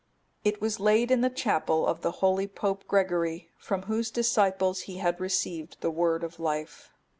It was laid in the chapel of the holy Pope Gregory, from whose disciples he had received the word of life.